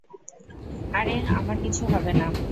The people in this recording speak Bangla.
আরে, আমার কিছু হবে না।